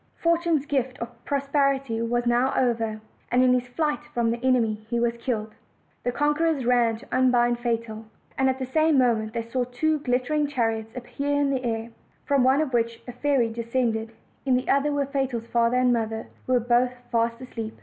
Fortune's gift of prosperity was now over, and in his flight from the enemy he was killed. The conquerors ran to unbind Fatal; and at the same mo ment they saw two glittering chariots appear in the air, from one of which a fairy descended; in the other were Fatal's father and mother, who were both fast asleep.